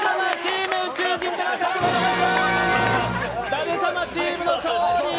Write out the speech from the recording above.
舘様チームの勝利！